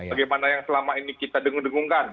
bagaimana yang selama ini kita dengung dengungkan